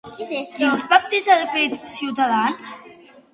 Quins pactes ha fet Ciutadans?